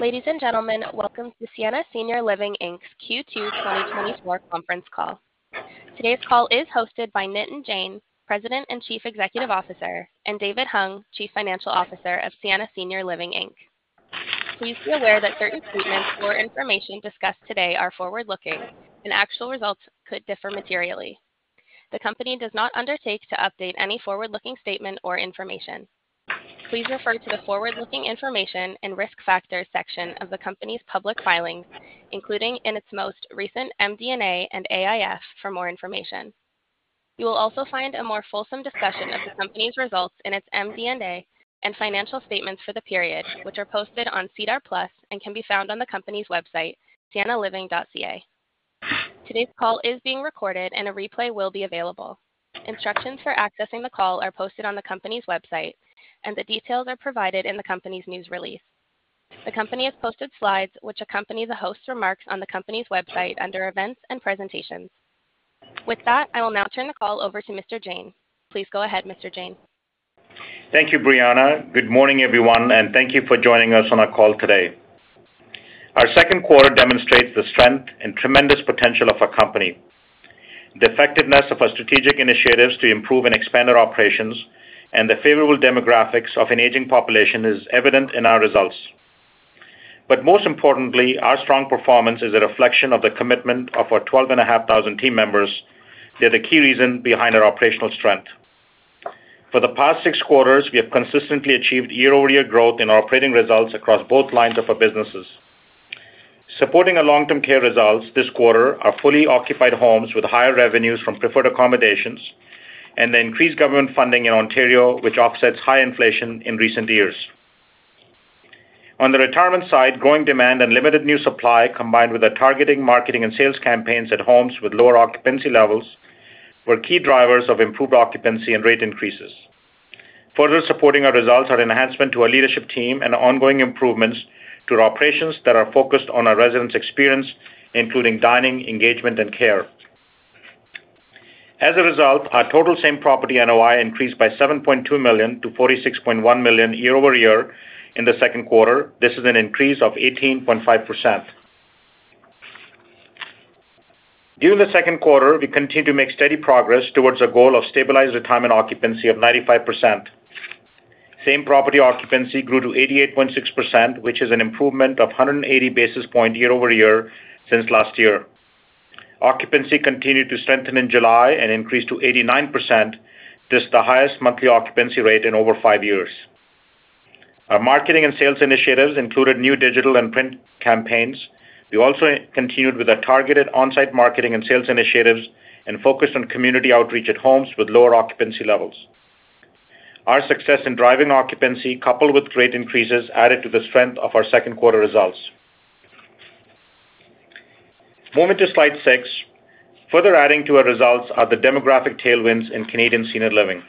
Ladies and gentlemen, welcome to Sienna Senior Living Inc.'s Q2 2024 Conference Call. Today's call is hosted by Nitin Jain, President and Chief Executive Officer, and David Hung, Chief Financial Officer of Sienna Senior Living Inc. Please be aware that certain statements or information discussed today are forward-looking, and actual results could differ materially. The company does not undertake to update any forward-looking statement or information. Please refer to the forward-looking information and risk factors section of the company's public filings, including in its most recent MD&A and AIF for more information. You will also find a more fulsome discussion of the company's results in its MD&A and financial statements for the period, which are posted on SEDAR+ and can be found on the company's website, siennaliving.ca. Today's call is being recorded, and a replay will be available. Instructions for accessing the call are posted on the company's website, and the details are provided in the company's news release. The company has posted slides, which accompany the host's remarks on the company's website under Events and Presentations. With that, I will now turn the call over to Mr. Jain. Please go ahead, Mr. Jain. Thank you, Brianna. Good morning, everyone, and thank you for joining us on our call today. Our second quarter demonstrates the strength and tremendous potential of our company. The effectiveness of our strategic initiatives to improve and expand our operations and the favorable demographics of an aging population is evident in our results. But most importantly, our strong performance is a reflection of the commitment of our 12,500 team members. They're the key reason behind our operational strength. For the past 6 quarters, we have consistently achieved year-over-year growth in our operating results across both lines of our businesses. Supporting our long-term care results this quarter are fully occupied homes with higher revenues from preferred accommodations and the increased government funding in Ontario, which offsets high inflation in recent years. On the retirement side, growing demand and limited new supply, combined with our targeting, marketing, and sales campaigns at homes with lower occupancy levels, were key drivers of improved occupancy and rate increases. Further supporting our results are enhancement to our leadership team and ongoing improvements to our operations that are focused on our residents' experience, including dining, engagement, and care. As a result, our total same-property NOI increased by $7.2 million-$46.1 million year-over-year in the second quarter. This is an increase of 18.5%. During the second quarter, we continued to make steady progress towards a goal of stabilized retirement occupancy of 95%. Same-property occupancy grew to 88.6%, which is an improvement of 180 basis points year-over-year since last year. Occupancy continued to strengthen in July and increased to 89%. This is the highest monthly occupancy rate in over 5 years. Our marketing and sales initiatives included new digital and print campaigns. We also continued with our targeted on-site marketing and sales initiatives and focused on community outreach at homes with lower occupancy levels. Our success in driving occupancy, coupled with rate increases, added to the strength of our second quarter results. Moving to slide 6. Further adding to our results are the demographic tailwinds in Canadian Senior Living.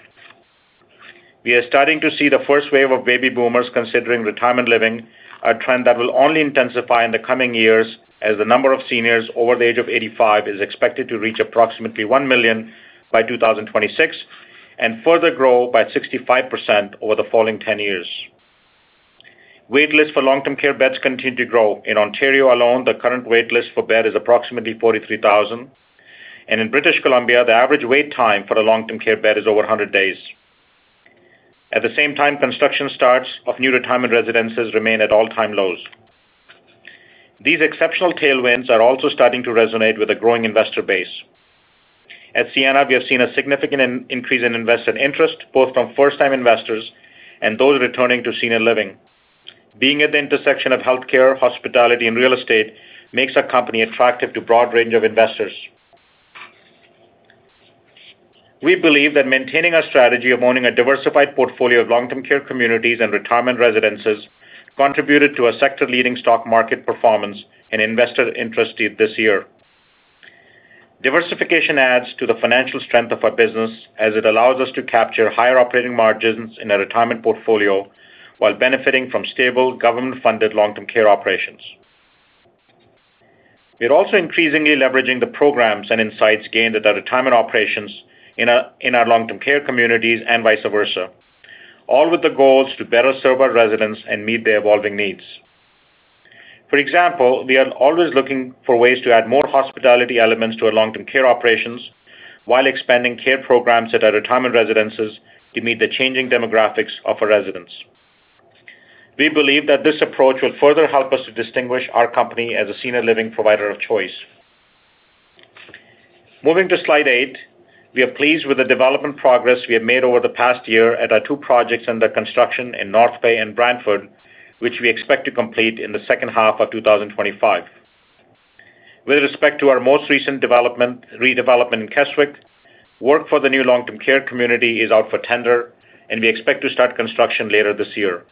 We are starting to see the first wave of baby boomers considering retirement living, a trend that will only intensify in the coming years, as the number of seniors over the age of 85 is expected to reach approximately 1 million by 2026, and further grow by 65% over the following 10 years. Waitlists for long-term care beds continue to grow. In Ontario alone, the current waitlist for bed is approximately 43,000, and in British Columbia, the average wait time for a long-term care bed is over 100 days. At the same time, construction starts of new retirement residences remain at all-time lows. These exceptional tailwinds are also starting to resonate with a growing investor base. At Sienna, we have seen a significant increase in investor interest, both from first-time investors and those returning to senior living. Being at the intersection of healthcare, hospitality, and real estate makes our company attractive to a broad range of investors. We believe that maintaining our strategy of owning a diversified portfolio of long-term care communities and retirement residences contributed to our sector-leading stock market performance and investor interest this year. Diversification adds to the financial strength of our business as it allows us to capture higher operating margins in our retirement portfolio while benefiting from stable, government-funded long-term care operations. We are also increasingly leveraging the programs and insights gained at our retirement operations in our long-term care communities and vice versa, all with the goals to better serve our residents and meet their evolving needs. For example, we are always looking for ways to add more hospitality elements to our long-term care operations while expanding care programs at our retirement residences to meet the changing demographics of our residents. We believe that this approach will further help us to distinguish our company as a senior living provider of choice. Moving to slide 8. We are pleased with the development progress we have made over the past year at our two projects under construction in North Bay and Brantford, which we expect to complete in the second half of 2025. With respect to our most recent development, redevelopment in Keswick, work for the new long-term care community is out for tender, and we expect to start construction later this year.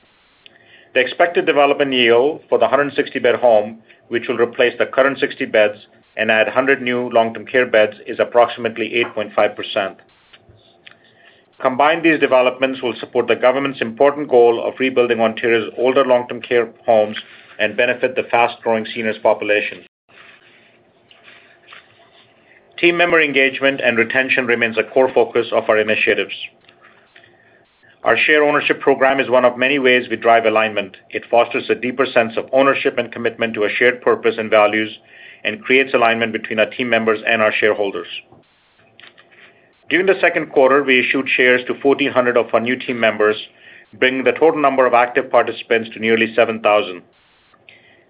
The expected development yield for the 160-bed home, which will replace the current 60 beds and add 100 new long-term care beds, is approximately 8.5%. Combined, these developments will support the government's important goal of rebuilding Ontario's older long-term care homes and benefit the fast-growing seniors population. Team member engagement and retention remains a core focus of our initiatives. Our share ownership program is one of many ways we drive alignment. It fosters a deeper sense of ownership and commitment to a shared purpose and values, and creates alignment between our team members and our shareholders. During the second quarter, we issued shares to 1,400 of our new team members, bringing the total number of active participants to nearly 7,000.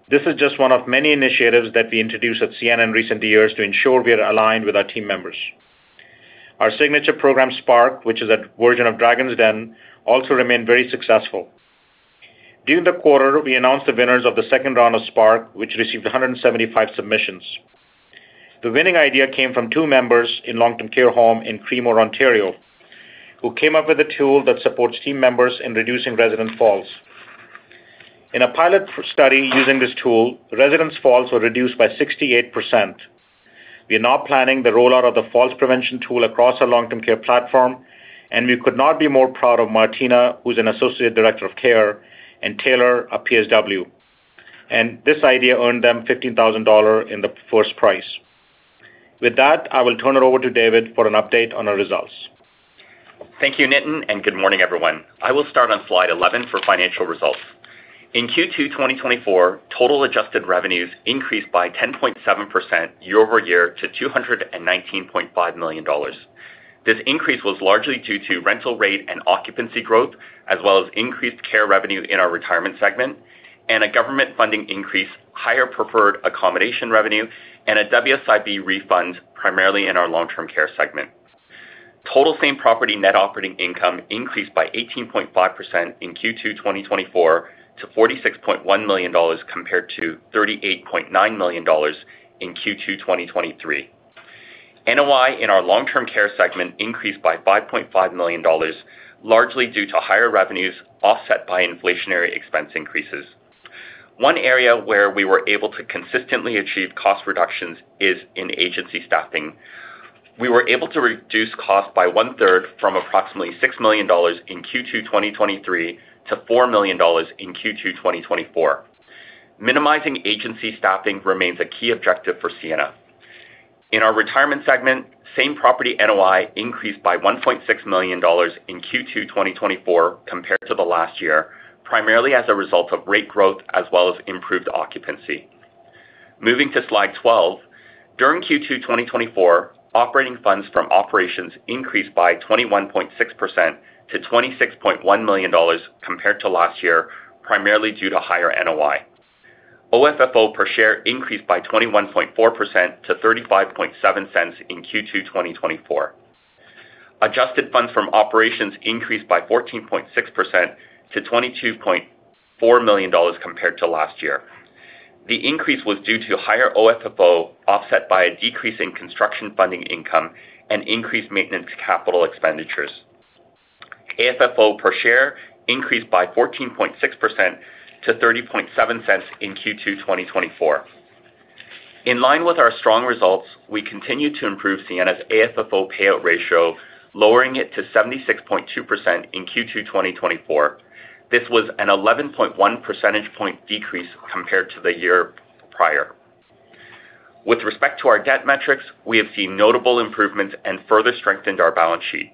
This is just one of many initiatives that we introduced at Sienna in recent years to ensure we are aligned with our team members. Our signature program, SPARK, which is a version of Dragon's Den, also remained very successful. During the quarter, we announced the winners of the second round of SPARK, which received 175 submissions. The winning idea came from two members in long-term care home in Creemore, Ontario, who came up with a tool that supports team members in reducing resident falls. In a pilot study using this tool, residents' falls were reduced by 68%. We are now planning the rollout of the falls prevention tool across our Long-Term Care platform, and we could not be more proud of Martina, who's an Associate Director of Care, and Taylor, a PSW, and this idea earned them $ 15,000 in the first prize. With that, I will turn it over to David for an update on our results. Thank you, Nitin, and good morning, everyone. I will start on slide 11 for financial results. In Q2 2024, total adjusted revenues increased by 10.7% year-over-year to $219.5 million. This increase was largely due to rental rate and occupancy growth, as well as increased care revenue in our retirement segment and a government funding increase, higher preferred accommodation revenue, and a WSIB refund, primarily in our long-term care segment. Total same-property net operating income increased by 18.5% in Q2 2024 to $46.1 million, compared to $38.9 million in Q2 2023. NOI in our Long-Term Care segment increased by $5.5 million, largely due to higher revenues, offset by inflationary expense increases. One area where we were able to consistently achieve cost reductions is in agency staffing. We were able to reduce costs by 1/3 from approximately $6 million in Q2, 2023, to $4 million in Q2, 2024. Minimizing agency staffing remains a key objective for Sienna. In our retirement segment, same-property NOI increased by $1.6 million in Q2, 2024 compared to the last year, primarily as a result of rate growth as well as improved occupancy. Moving to slide 12. During Q2, 2024, operating funds from operations increased by 21.6% to $26.1 million compared to last year, primarily due to higher NOI. OFFO per share increased by 21.4% to $0.357 in Q2, 2024. Adjusted funds from operations increased by 14.6% to $22.4 million compared to last year. The increase was due to higher OFFO, offset by a decrease in construction funding income and increased maintenance capital expenditures. AFFO per share increased by 14.6% to $0.307 in Q2, 2024. In line with our strong results, we continued to improve Sienna's AFFO payout ratio, lowering it to 76.2% in Q2, 2024. This was an 11.1 percentage point decrease compared to the year prior. With respect to our debt metrics, we have seen notable improvements and further strengthened our balance sheet.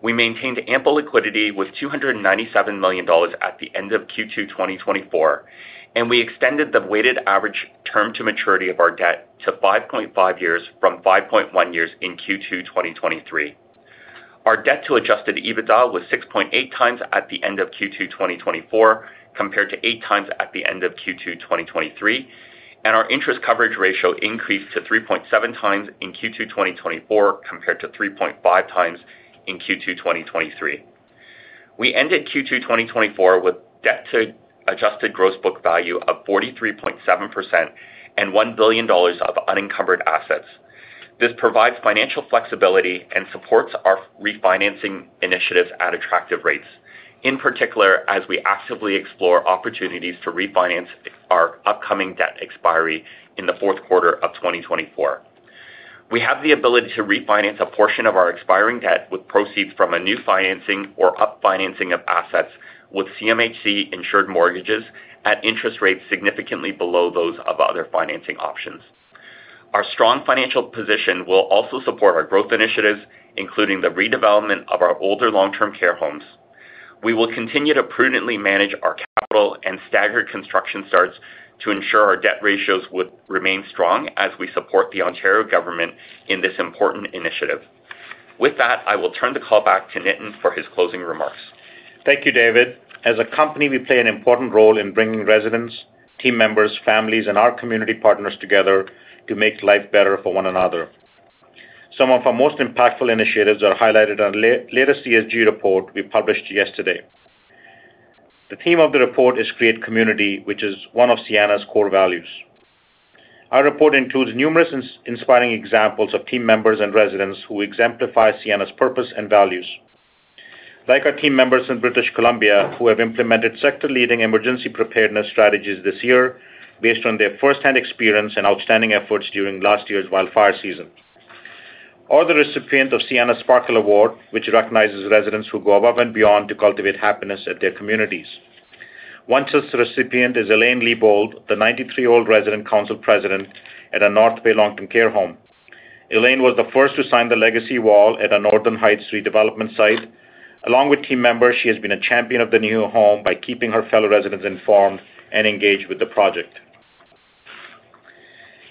We maintained ample liquidity with $297 million at the end of Q2, 2024, and we extended the weighted average term to maturity of our debt to 5.5 years from 5.1 years in Q2, 2023. Our debt to adjusted EBITDA was 6.8x at the end of Q2 2024, compared to 8x at the end of Q2 2023, and our interest coverage ratio increased to 3.7x in Q2 2024, compared to 3.5x in Q2 2023. We ended Q2 2024 with debt to adjusted gross book value of 43.7% and $1 billion of unencumbered assets. This provides financial flexibility and supports our refinancing initiatives at attractive rates, in particular, as we actively explore opportunities to refinance our upcoming debt expiry in the fourth quarter of 2024. We have the ability to refinance a portion of our expiring debt with proceeds from a new financing or up financing of assets with CMHC insured mortgages at interest rates significantly below those of other financing options. Our strong financial position will also support our growth initiatives, including the redevelopment of our older long-term care homes. We will continue to prudently manage our capital and staggered construction starts to ensure our debt ratios would remain strong as we support the Ontario government in this important initiative. With that, I will turn the call back to Nitin for his closing remarks. Thank you, David. As a company, we play an important role in bringing residents, team members, families, and our community partners together to make life better for one another. Some of our most impactful initiatives are highlighted on the latest ESG report we published yesterday. The theme of the report is Create Community, which is one of Sienna's core values. Our report includes numerous inspiring examples of team members and residents who exemplify Sienna's purpose and values. Like our team members in British Columbia, who have implemented sector-leading emergency preparedness strategies this year based on their firsthand experience and outstanding efforts during last year's wildfire season. Or the recipient of Sienna's Sparkle Award, which recognizes residents who go above and beyond to cultivate happiness at their communities. One such recipient is Elaine Leibold, the 93-year-old resident council president at a North Bay Long-Term Care Home. Elaine was the first to sign the Legacy Wall at a Northern Heights redevelopment site. Along with team members, she has been a champion of the new home by keeping her fellow residents informed and engaged with the project.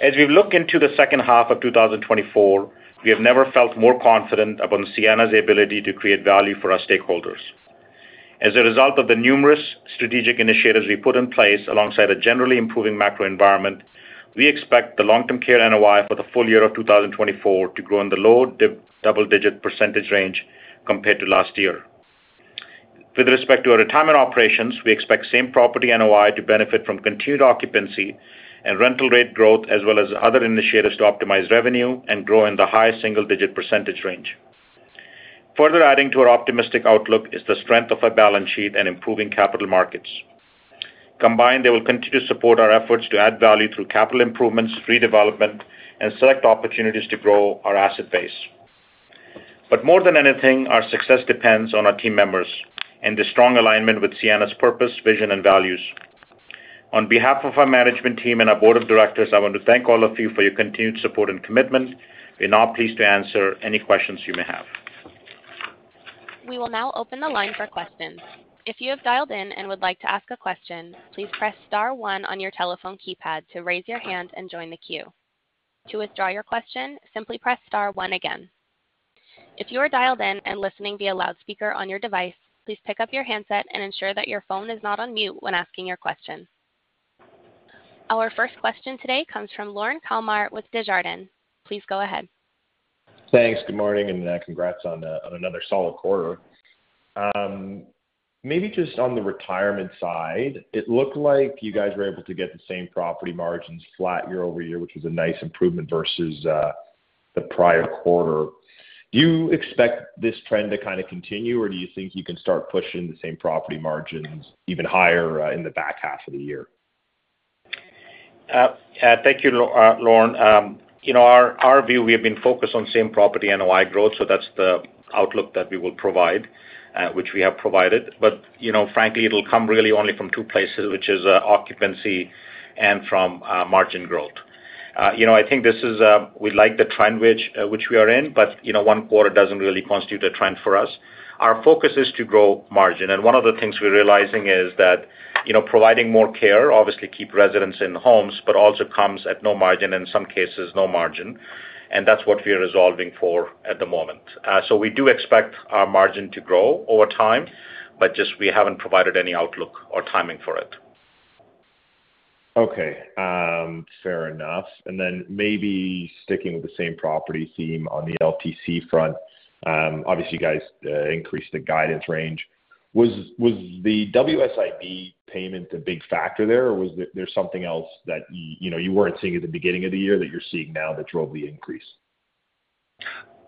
As we look into the second half of 2024, we have never felt more confident about Sienna's ability to create value for our stakeholders. As a result of the numerous strategic initiatives we put in place, alongside a generally improving macro environment, we expect the long-term care NOI for the full year of 2024 to grow in the low double-digit % range compared to last year. With respect to our retirement operations, we expect same property NOI to benefit from continued occupancy and rental rate growth, as well as other initiatives to optimize revenue and grow in the high single-digit percentage range. Further adding to our optimistic outlook is the strength of our balance sheet and improving capital markets. Combined, they will continue to support our efforts to add value through capital improvements, redevelopment, and select opportunities to grow our asset base. More than anything, our success depends on our team members and the strong alignment with Sienna's purpose, vision, and values. On behalf of our management team and our Board of Directors, I want to thank all of you for your continued support and commitment. We're now pleased to answer any questions you may have. We will now open the line for questions. If you have dialed in and would like to ask a question, please press star one on your telephone keypad to raise your hand and join the queue. To withdraw your question, simply press star one again. If you are dialed in and listening via loudspeaker on your device, please pick up your handset and ensure that your phone is not on mute when asking your question. Our first question today comes from Lorne Kalmar with Desjardins. Please go ahead. Thanks. Good morning, and congrats on on another solid quarter. Maybe just on the retirement side, it looked like you guys were able to get the same property margins flat year-over-year, which was a nice improvement versus the prior quarter. Do you expect this trend to kind of continue, or do you think you can start pushing the same property margins even higher in the back half of the year? Thank you, Lorne. You know, our view, we have been focused on same property NOI growth, so that's the outlook that we will provide, which we have provided. But, you know, frankly, it'll come really only from two places, which is occupancy and from margin growth. You know, I think this is, we like the trend which we are in, but, you know, one quarter doesn't really constitute a trend for us. Our focus is to grow margin, and one of the things we're realizing is that, you know, providing more care, obviously, keep residents in homes, but also comes at no margin, in some cases, no margin, and that's what we are resolving for at the moment. We do expect our margin to grow over time, but just, we haven't provided any outlook or timing for it. Okay, fair enough. And then maybe sticking with the same property theme on the LTC front, obviously, you guys increased the guidance range. Was the WSIB payment a big factor there, or was there something else that you know, you weren't seeing at the beginning of the year that you're seeing now that drove the increase?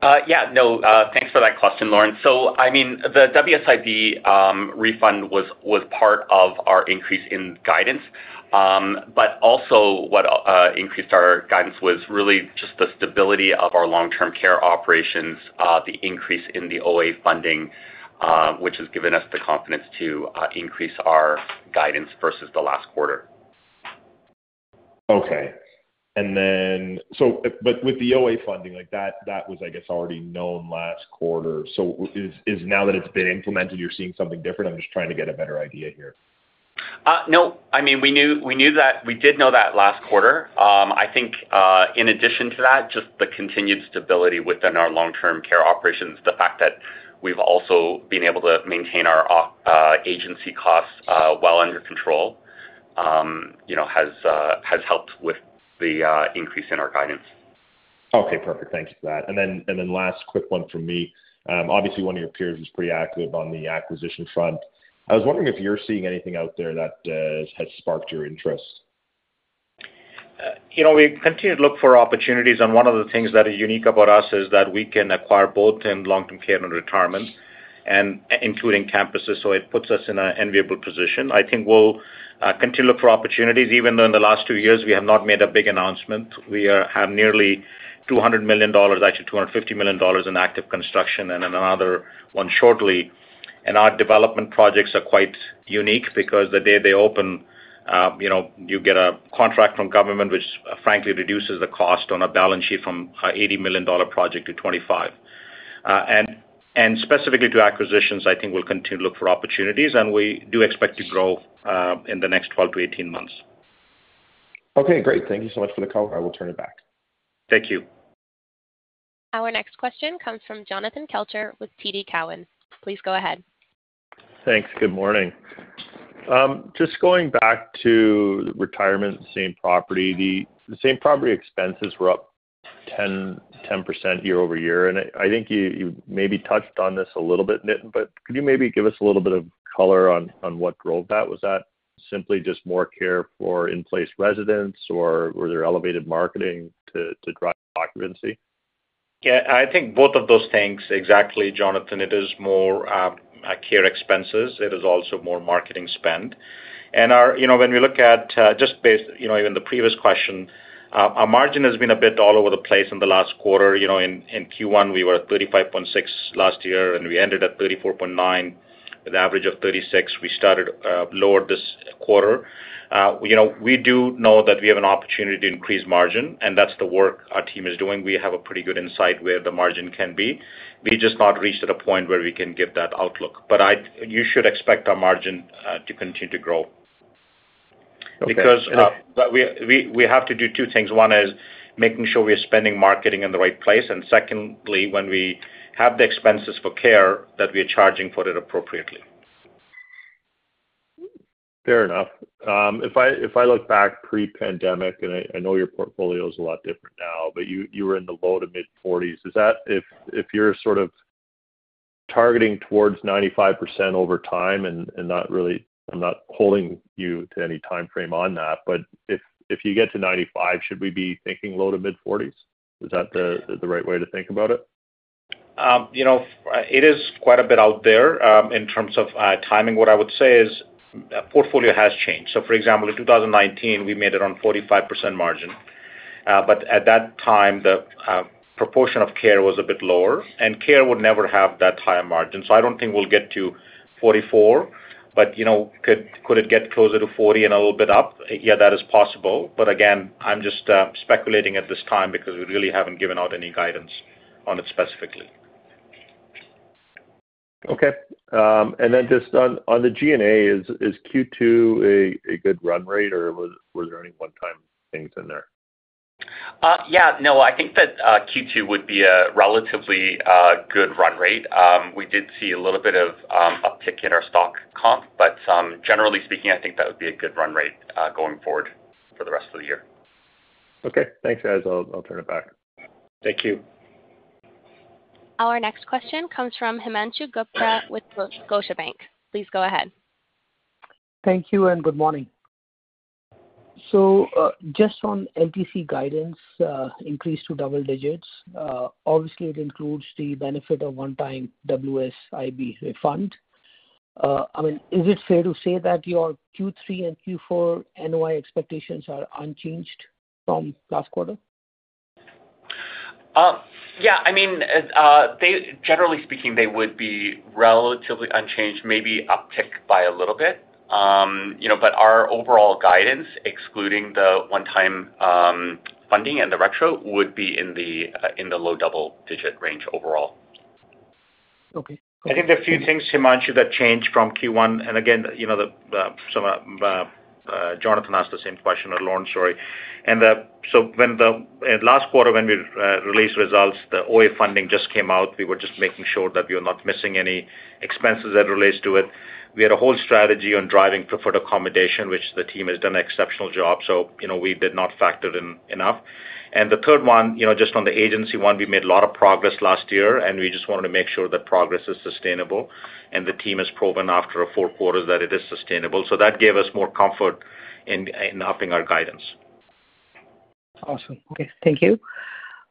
Yeah, no, thanks for that question, Lorne. So, I mean, the WSIB refund was part of our increase in guidance. But also what increased our guidance was really just the stability of our long-term care operations, the increase in the OA funding, which has given us the confidence to increase our guidance versus the last quarter. Okay. With the OA funding, like, that was, I guess, already known last quarter. So, now that it's been implemented, you're seeing something different? I'm just trying to get a better idea here. No. I mean, we knew that. We did know that last quarter. I think, in addition to that, just the continued stability within our long-term care operations, the fact that we've also been able to maintain our agency costs well under control, you know, has helped with the increase in our guidance. Okay, perfect. Thank you for that. And then last quick one from me. Obviously, one of your peers was pretty active on the acquisition front. I was wondering if you're seeing anything out there that has sparked your interest. You know, we continue to look for opportunities, and one of the things that is unique about us is that we can acquire both in long-term care and retirement, and including campuses, so it puts us in an enviable position. I think we'll continue to look for opportunities, even though in the last two years we have not made a big announcement. We have nearly $200 million, actually $250 million in active construction and another one shortly. And our development projects are quite unique because the day they open, you know, you get a contract from government, which frankly reduces the cost on our balance sheet from a $80 million project to $25 million. And specifically to acquisitions, I think we'll continue to look for opportunities, and we do expect to grow in the next 12-18 months. Okay, great. Thank you so much for the call. I will turn it back. Thank you. Our next question comes from Jonathan Kelcher with TD Cowen. Please go ahead. Thanks. Good morning. Just going back to the retirement same property, the same property expenses were up 10%, 10% year-over-year, and I think you maybe touched on this a little bit, Nitin, but could you maybe give us a little bit of color on what drove that? Was that simply just more care for in-place residents, or were there elevated marketing to drive occupancy? Yeah, I think both of those things. Exactly, Jonathan. It is more care expenses. It is also more marketing spend. And our. You know, when we look at, even the previous question. Our margin has been a bit all over the place in the last quarter. You know, in Q1, we were at 35.6% last year, and we ended at 34.9%, with an average of 36%. We started lower this quarter. You know, we do know that we have an opportunity to increase margin, and that's the work our team is doing. We have a pretty good insight where the margin can be. We've just not reached to the point where we can give that outlook. But I. You should expect our margin to continue to grow. Okay. But we have to do two things. One is making sure we are spending marketing in the right place, and secondly, when we have the expenses for care, that we are charging for it appropriately. Fair enough. If I, if I look back pre-pandemic, and I, I know your portfolio is a lot different now, but you, you were in the low to mid-40s. Is that-- if, if you're sort of targeting towards 95% over time and, and not really-- I'm not holding you to any time frame on that, but if, if you get to 95, should we be thinking low to mid-40s? Is that the, the right way to think about it? You know, it is quite a bit out there, in terms of timing. What I would say is, portfolio has changed. So, for example, in 2019, we made it around 45% margin. But at that time, the proportion of care was a bit lower, and care would never have that high a margin. So I don't think we'll get to 44%, but, you know, could it get closer to 40% and a little bit up? Yeah, that is possible. But again, I'm just speculating at this time because we really haven't given out any guidance on it specifically. Okay. And then just on the G&A, is Q2 a good run rate, or were there any one-time things in there? Yeah, no, I think that Q2 would be a relatively good run rate. We did see a little bit of uptick in our stock comp, but generally speaking, I think that would be a good run rate going forward for the rest of the year. Okay. Thanks, guys. I'll turn it back. Thank you. Our next question comes from Himanshu Gupta with Scotiabank. Please go ahead. Thank you and good morning. So, just on LTC guidance increase to double digits, obviously it includes the benefit of one-time WSIB refund. I mean, is it fair to say that your Q3 and Q4 NOI expectations are unchanged from last quarter? Yeah, I mean, they generally speaking, they would be relatively unchanged, maybe uptick by a little bit. You know, but our overall guidance, excluding the one-time funding and the retro, would be in the low double-digit range overall. Okay. I think there are a few things, Himanshu, that changed from Q1. And again, you know, so Jonathan asked the same question, or Lorne, sorry. And so when the last quarter, when we released results, the OA funding just came out. We were just making sure that we are not missing any expenses that relates to it. We had a whole strategy on driving preferred accommodation, which the team has done an exceptional job, so, you know, we did not factor in enough. And the third one, you know, just on the agency one, we made a lot of progress last year, and we just wanted to make sure that progress is sustainable, and the team has proven after four quarters that it is sustainable. So that gave us more comfort in upping our guidance. Awesome. Okay, thank you.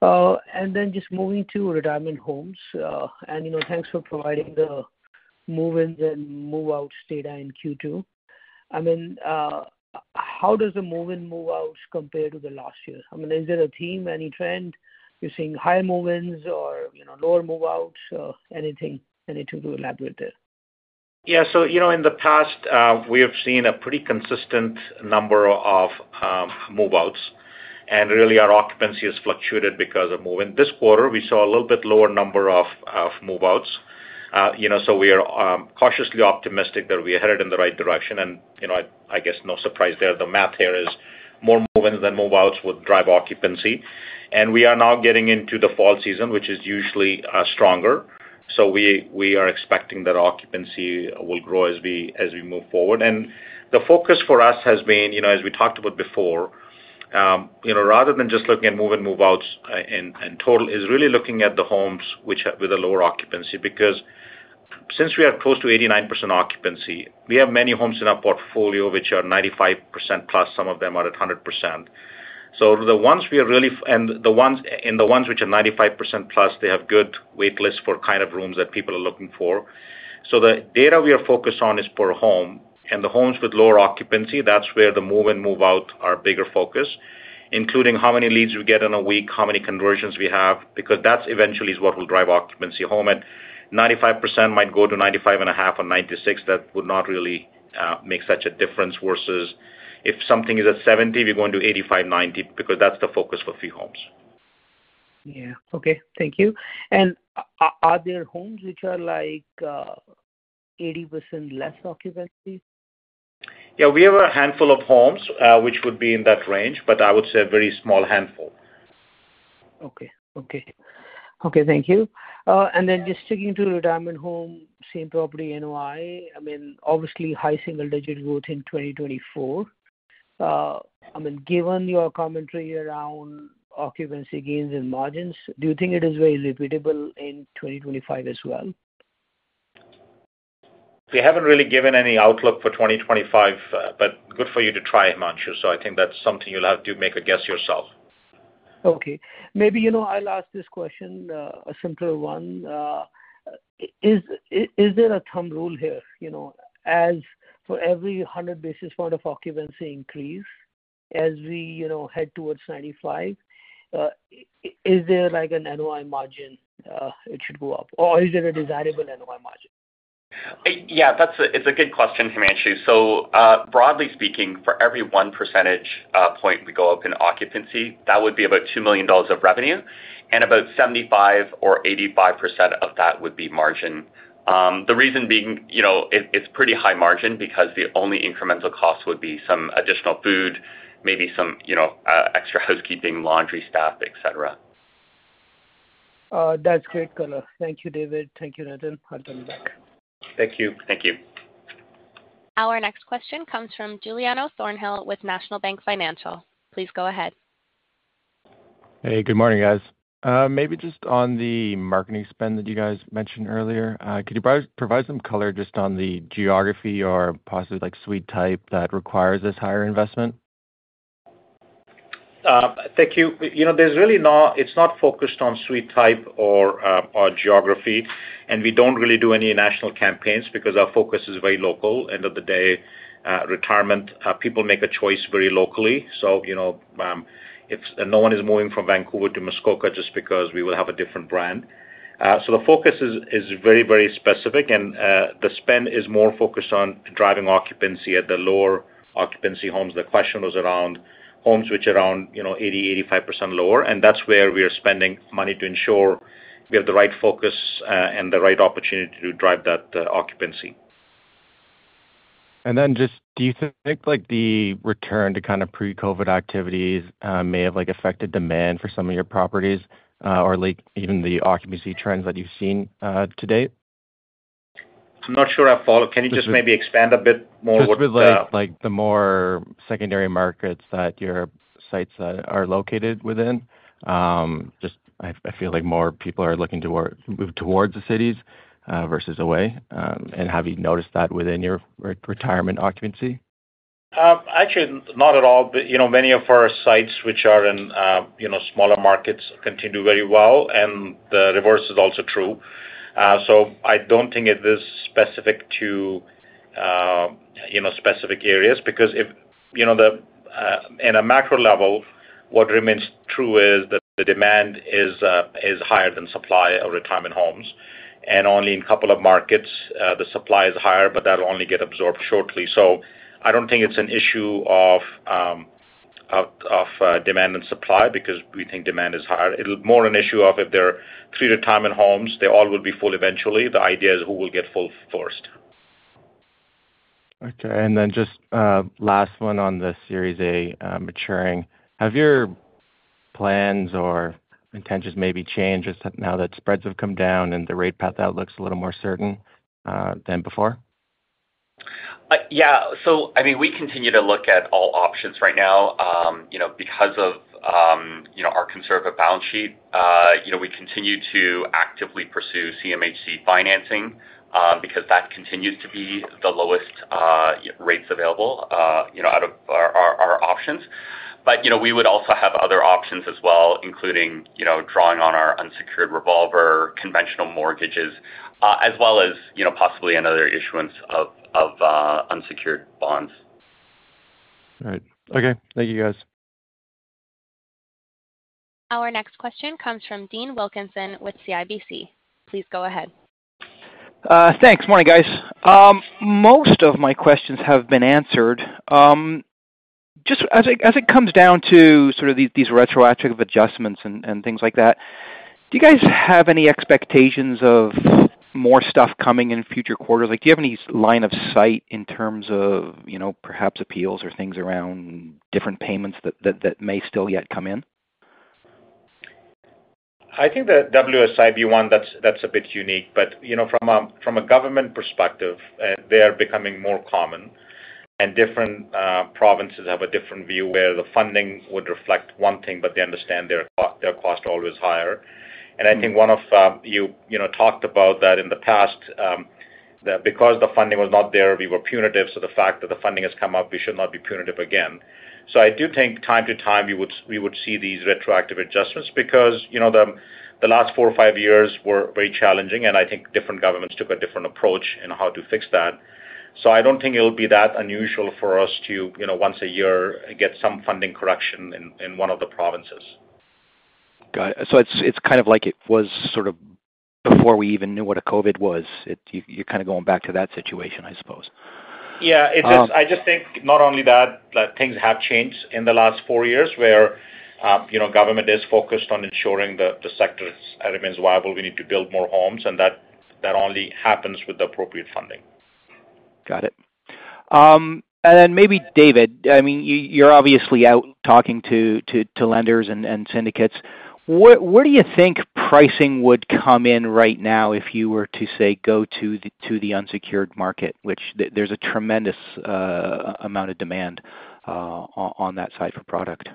And then just moving to retirement homes, and, you know, thanks for providing the move-ins and move-outs data in Q2. I mean, how does the move-in, move-outs compare to the last year? I mean, is there a theme, any trend? You're seeing higher move-ins or, you know, lower move-outs? Anything, anything to elaborate there? Yeah, so you know, in the past, we have seen a pretty consistent number of move-outs, and really our occupancy has fluctuated because of move-in. This quarter, we saw a little bit lower number of move-outs. You know, so we are cautiously optimistic that we are headed in the right direction. And, you know, I guess no surprise there. The math here is more move-ins than move-outs would drive occupancy. And we are now getting into the fall season, which is usually stronger. So we are expecting that occupancy will grow as we move forward. And the focus for us has been, you know, as we talked about before, you know, rather than just looking at move-in, move-outs in total, is really looking at the homes which have with a lower occupancy. Because since we are close to 89% occupancy, we have many homes in our portfolio which are 95%+, some of them are at 100%. So the ones we are really and the ones which are 95%+, they have good waitlists for kind of rooms that people are looking for. So the data we are focused on is per home, and the homes with lower occupancy, that's where the move-in, move-out are bigger focus, including how many leads we get in a week, how many conversions we have, because that eventually is what will drive occupancy home. And 95% might go to 95.5% or 96%, that would not really make such a difference, versus if something is at 70%, we're going to 85%, 90%, because that's the focus for few homes. Yeah. Okay, thank you. Are there homes which are like, 80% less occupancy? Yeah, we have a handful of homes, which would be in that range, but I would say a very small handful. Okay. Okay. Okay, thank you. And then just sticking to retirement home, same-property NOI, I mean, obviously high single-digit growth in 2024. I mean, given your commentary around occupancy gains and margins, do you think it is very repeatable in 2025 as well? We haven't really given any outlook for 2025, but good for you to try, Himanshu, so I think that's something you'll have to make a guess yourself. Okay, maybe, you know, I'll ask this question, a simpler one. Is there a thumb rule here, you know? As for every 100 basis points of occupancy increase, as we, you know, head towards 95, is there like an NOI margin, it should go up? Or is there a desirable NOI margin? Yeah, that's a good question, Himanshu. So, broadly speaking, for every one percentage point we go up in occupancy, that would be about $2 million of revenue, and about 75% or 85% of that would be margin. The reason being, you know, it's pretty high margin because the only incremental cost would be some additional food, maybe some, you know, extra housekeeping, laundry staff, et cetera. That's great color. Thank you, David. Thank you, Nitin. I'll turn you back. Thank you. Thank you. Our next question comes from Giuliano Thornhill with National Bank Financial. Please go ahead. Hey, good morning, guys. Maybe just on the marketing spend that you guys mentioned earlier, could you provide some color just on the geography or possibly like suite type that requires this higher investment? Thank you. You know, there's really not—it's not focused on suite type or geography, and we don't really do any national campaigns because our focus is very local. End of the day, retirement, people make a choice very locally. So, you know, it's—no one is moving from Vancouver to Muskoka just because we will have a different brand. So the focus is very, very specific, and the spend is more focused on driving occupancy at the lower occupancy homes. The question was around homes which are around, you know, 80%, 85% lower, and that's where we are spending money to ensure we have the right focus and the right opportunity to drive that occupancy. Then just, do you think, like, the return to kinda pre-COVID activities may have, like, affected demand for some of your properties, or like even the occupancy trends that you've seen, to date? I'm not sure I follow. Can you just maybe expand a bit more? Just with like, the more secondary markets that your sites are located within. Just, I feel like more people are looking to move towards the cities versus away. And have you noticed that within your retirement occupancy? Actually, not at all. But, you know, many of our sites, which are in, you know, smaller markets, continue very well, and the reverse is also true. So I don't think it is specific to, you know, specific areas, because if, you know, the, in a macro level, what remains true is that the demand is, is higher than supply of retirement homes. And only in a couple of markets, the supply is higher, but that'll only get absorbed shortly. So I don't think it's an issue of, of, demand and supply because we think demand is higher. It's more an issue of if there are three retirement homes, they all will be full eventually. The idea is who will get full first. Okay. And then just, last one on the Series A, maturing. Have your plans or intentions maybe changed just now that spreads have come down and the rate path outlooks a little more certain, than before? Yeah. So I mean, we continue to look at all options right now, you know, because of, you know, our conservative balance sheet. You know, we continue to actively pursue CMHC financing, because that continues to be the lowest rates available, you know, out of our options. But, you know, we would also have other options as well, including, you know, drawing on our unsecured revolver, conventional mortgages, as well as, you know, possibly another issuance of unsecured bonds. All right. Okay. Thank you, guys. Our next question comes from Dean Wilkinson with CIBC. Please go ahead. Thanks. Morning, guys. Most of my questions have been answered. Just as it comes down to sort of these retroactive adjustments and things like that, do you guys have any expectations of more stuff coming in future quarters? Like, do you have any line of sight in terms of, you know, perhaps appeals or things around different payments that may still yet come in? I think the WSIB one, that's a bit unique. But, you know, from a government perspective, they are becoming more common, and different provinces have a different view, where the funding would reflect one thing, but they understand their cost always higher. And I think one of, you know, talked about that in the past, that because the funding was not there, we were punitive, so the fact that the funding has come up, we should not be punitive again. So I do think time to time, we would see these retroactive adjustments because, you know, the last 4 or 5 years were very challenging, and I think different governments took a different approach in how to fix that. I don't think it'll be that unusual for us to, you know, once a year, get some funding correction in one of the provinces. Got it. So it's kind of like it was sort of before we even knew what a COVID was. You, you're kind of going back to that situation, I suppose. Yeah, it is. Um- I just think not only that, but things have changed in the last four years, where, you know, government is focused on ensuring the sector remains viable. We need to build more homes, and that only happens with the appropriate funding. Got it. And then maybe David, I mean, you, you're obviously out talking to lenders and syndicates. Where do you think pricing would come in right now if you were to, say, go to the unsecured market, which there's a tremendous amount of demand on that side for product?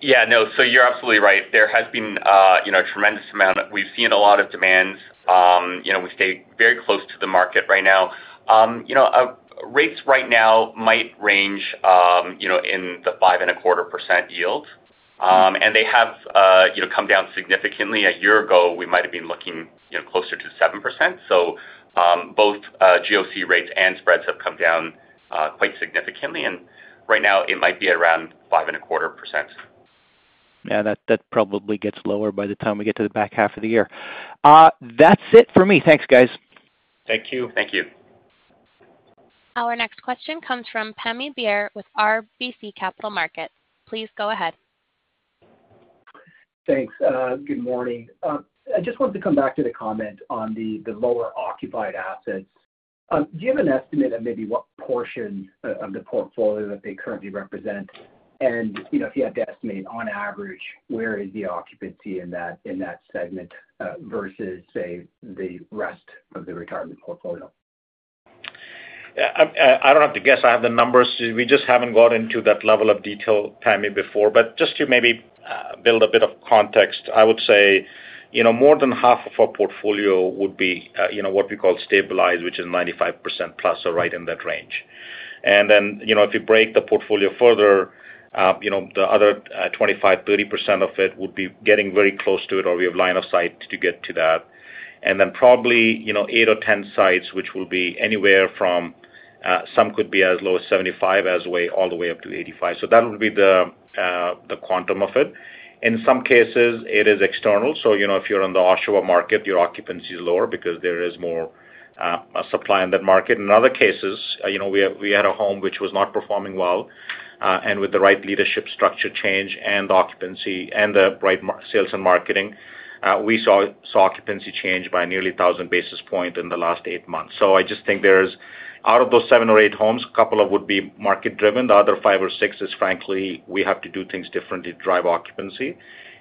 Yeah, no. So you're absolutely right. There has been, you know, a tremendous amount. We've seen a lot of demand. You know, we stay very close to the market right now. You know, rates right now might range, you know, in the 5.25% yield. And they have, you know, come down significantly. A year ago, we might have been looking, you know, closer to 7%. So, both, GOC rates and spreads have come down, quite significantly, and right now it might be around 5.25%. Yeah, that, that probably gets lower by the time we get to the back half of the year. That's it for me. Thanks, guys. Thank you. Thank you. Our next question comes from Pammi Bir with RBC Capital Markets. Please go ahead. Thanks. Good morning. I just wanted to come back to the comment on the, the lower occupied assets. Do you have an estimate of maybe what portion of the portfolio that they currently represent? And, you know, if you had to estimate on average, where is the occupancy in that, in that segment versus, say, the rest of the retirement portfolio? Yeah, I don't have to guess. I have the numbers. We just haven't got into that level of detail, Pammi, before. But just to maybe, build a bit of context, I would say, you know, more than half of our portfolio would be, you know, what we call stabilized, which is 95% plus or right in that range. And then, you know, if you break the portfolio further, you know, the other, 25%, 30% of it would be getting very close to it, or we have line of sight to get to that. And then probably, you know, 8 or 10 sites, which will be anywhere from, some could be as low as 75%, all the way up to 85%. So that would be the, the quantum of it. In some cases, it is external. So, you know, if you're on the [Ottawa] market, your occupancy is lower because there is more supply in that market. In other cases, you know, we have—we had a home which was not performing well, and with the right leadership structure change and occupancy and the right sales and marketing, we saw occupancy change by nearly 1,000 basis points in the last 8 months. So I just think there, out of those 7 or 8 homes, a couple of would be market driven. The other 5 or 6 is frankly, we have to do things differently to drive occupancy,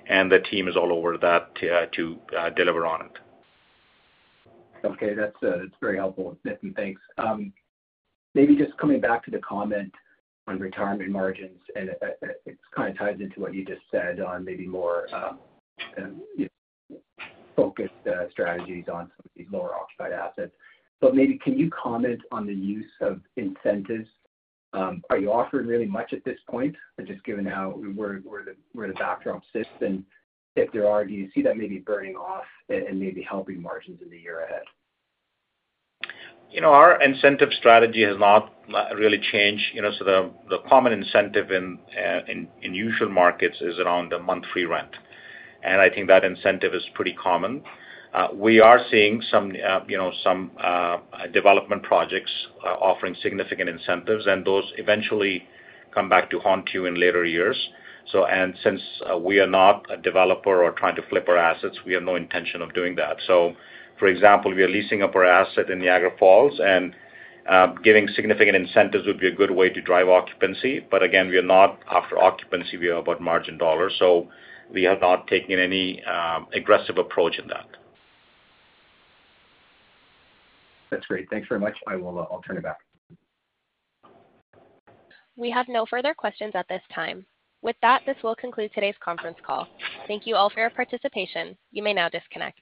and the team is all over that, to deliver on it. Okay. That's very helpful, Nitin, thanks. Maybe just coming back to the comment on retirement margins, and it's kind of tied into what you just said on maybe more, you know, focused strategies on some of these lower occupied assets. But maybe can you comment on the use of incentives? Are you offering really much at this point, or just given how the backdrop sits, and if there are, do you see that maybe burning off and maybe helping margins in the year ahead? You know, our incentive strategy has not really changed. You know, so the common incentive in usual markets is around a month free rent, and I think that incentive is pretty common. We are seeing some, you know, some development projects offering significant incentives, and those eventually come back to haunt you in later years. So, and since we are not a developer or trying to flip our assets, we have no intention of doing that. So, for example, we are leasing up our asset in Niagara Falls, and giving significant incentives would be a good way to drive occupancy. But again, we are not after occupancy, we are about margin dollars, so we have not taken any aggressive approach in that. That's great. Thanks very much. I will, I'll turn it back. We have no further questions at this time. With that, this will conclude today's conference call. Thank you all for your participation. You may now disconnect.